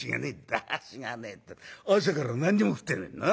「『だらしがねえ』って朝から何にも食ってねえんだな。